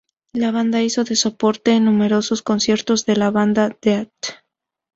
La banda hizo de soporte en numerosos conciertos de la banda Death.